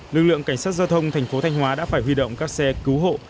lực lượng cảnh sát giao thông thành phố thanh hóa đã phải huy động các xe cứu hộ